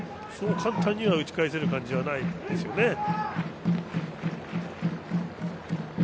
そう簡単には打ち返せる感じがないですね。